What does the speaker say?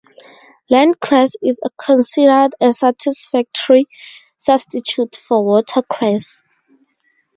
Land cress is considered a satisfactory substitute for watercress.